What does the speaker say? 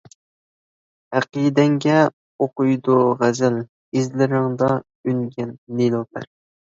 ئەقىدەڭگە ئوقۇيدۇ غەزەل، ئىزلىرىڭدا ئۈنگەن نېلۇپەر.